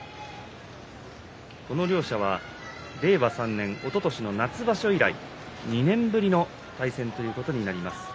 この両者は令和３年おととしの夏場所以来２年ぶりの対戦ということになります。